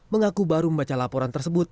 mengaku baru membaca laporan tersebut